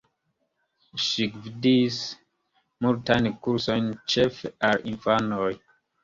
Ŝi gvidis multajn kursojn, ĉefe al infanoj.